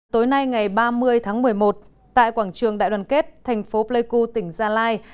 tối nay ngày ba mươi tháng một mươi một tại quảng trường đại đoàn kết thành phố pleiku tỉnh gia lai